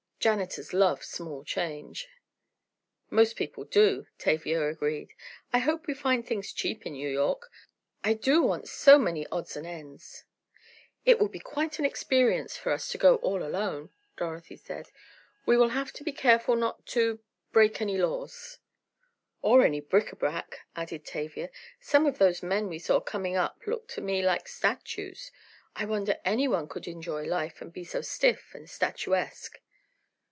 Janitors love small change." "Most people do," Tavia agreed. "I hope we find things cheap in New York. I do want so many odds and ends." "It will be quite an experience for us to go all alone," Dorothy said. "We will have to be careful not to—break any laws." "Or any bric a brac," added Tavia. "Some of those men we saw coming up looked to me like statues. I wonder anyone could enjoy life and be so stiff and statuesque."